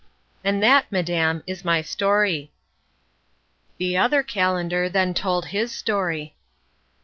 And that, madam, is my story. The other Calender then told his story.